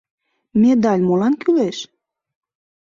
— Медаль молан кӱлеш!